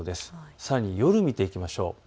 さらに夜を見ていきましょう。